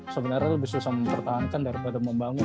sebenarnya lebih susah mempertahankan daripada membangun